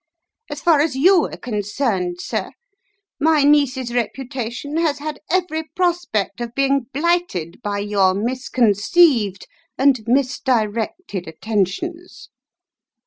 As far as you are concerned, sir, my niece's reputation has had every prospect of being blighted by your misconceived and misdirected at tentions."